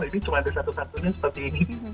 ini cuma ada satu satunya seperti ini